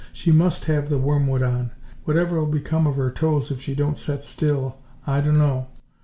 "She must have the wormwood on. Whatever'll become of her toes if she don't set still, I d'no.